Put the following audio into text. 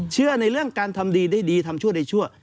เชื่อในเรื่องการทำดีได้ดีทำชั่วได้ชั่ว